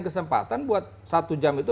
kesempatan buat satu jam itu